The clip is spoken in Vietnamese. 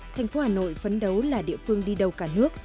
thành phố hà nội phấn đấu là địa phương đi đầu cả nước